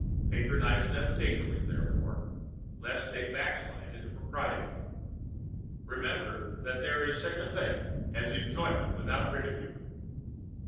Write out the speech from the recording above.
Patronize them daintily, therefore, lest they backslide into propriety; remember that there is such a thing as enjoyment without ridicule.